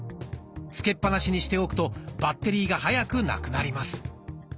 つけっ放しにしておくとバッテリーが早くなくなります。